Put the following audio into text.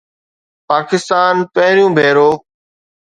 پاڪستان پهريون ڀيرو